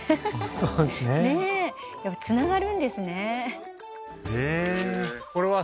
そうですねつながるんですね